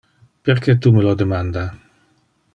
Perque tu me lo demanda?